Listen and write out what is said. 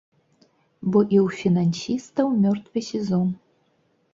Бо і ў фінансістаў мёртвы сезон.